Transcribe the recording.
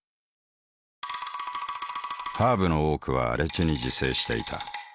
ハーブの多くは荒地に自生していた。